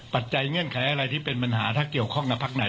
ปัจเงื่อนไขอะไรที่เป็นปัญหาถ้าเกี่ยวข้องกับพักไหน